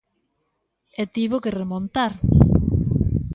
E tivo que remontar.